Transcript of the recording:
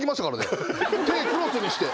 手クロスにして。